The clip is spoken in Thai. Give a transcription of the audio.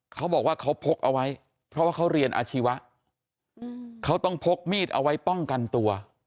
เขาบอกว่าเขาพกเอาไว้เพราะว่าเขาเรียนอาชีวะเขาต้องพกมีดเอาไว้ป้องกันตัว